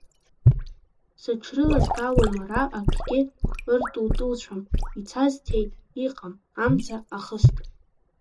Сыҽрылазгалом, ара акгьы ыртутуцәам, ицаз цеит, иҟам, амца ахыст.